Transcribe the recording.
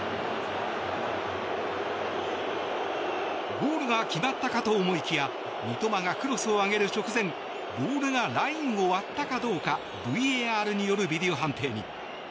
ゴールが決まったかと思いきや三笘がクロスを上げる直前ボールがラインを割ったかどうかＶＡＲによるビデオ判定に。